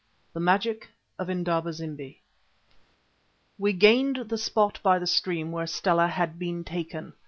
THE MAGIC OF INDABA ZIMBI We gained the spot by the stream where Stella had been taken.